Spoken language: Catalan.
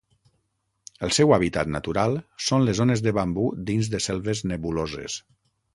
El seu hàbitat natural són les zones de bambú dins de selves nebuloses.